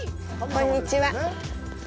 こんにちは。